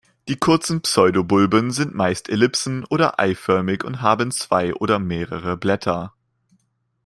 Die kurzen Pseudobulben sind meist ellipsen- oder eiförmig und haben zwei oder mehrere Blätter.